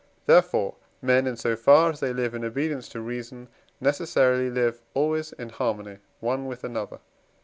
Therefore, men in so far as they live in obedience to reason, necessarily live always in harmony one with another.